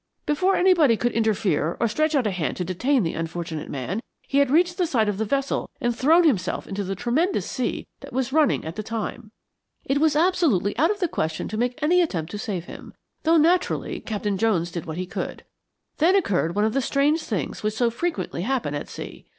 Before anybody could interfere or stretch out a hand to detain the unfortunate man, he had reached the side of the vessel and thrown himself into the tremendous sea which was running at the time. It was absolutely out of the question to make any attempt to save him, though, naturally, Captain Jones did what he could. Then occurred one of the strange things which so frequently happen at sea.